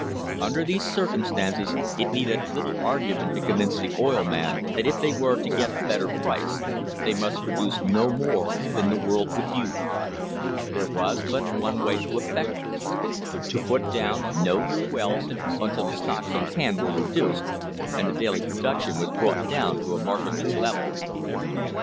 Under these circumstances it needed little argu ment to convince the oil men that if they were to get a better price they must produce no more than the world would use. There was but one way to effect this — to put down no new wells until the stocks on hand were reduced and the daily production was brought down to a marketable amount.